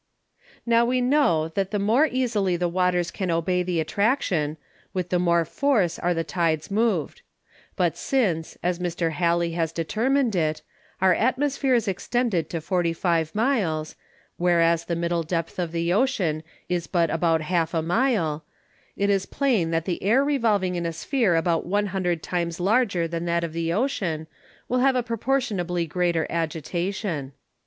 Now we know that the more easily the Waters can obey the Attraction, with the more Force are the Tides moved; but since, as Mr. Halley has determin'd it, our Atmosphere is extended to 45 Miles, whereas the middle depth of the Ocean is but about half a Mile; it is plain, that the Air revolving in a Sphere about 100 times larger than that of the Ocean, will have a proportionably greater Agitation.